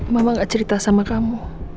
mama gak cerita sama kamu